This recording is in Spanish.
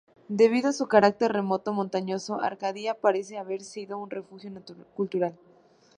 Debido a su carácter remoto, montañoso, Arcadia parece haber sido un refugio cultural.